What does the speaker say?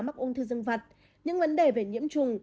mắc ung thư dân vật những vấn đề về nhiễm trùng